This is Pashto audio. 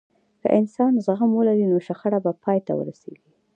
که انسان زغم ولري، نو شخړه به پای ته ورسیږي.